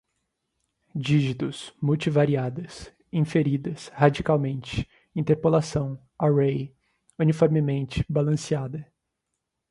dígitos, multi-variadas, inferidas, radicalmente, interpolação, array, uniformemente, balanceada